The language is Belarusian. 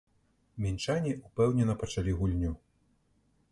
Мінчане ўпэўнена пачалі гульню.